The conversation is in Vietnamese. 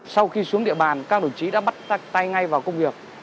sau khi xuống địa bàn các đồng chí đã bắt tay ngay vào công việc